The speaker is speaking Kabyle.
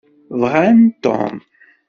Bɣan Tom.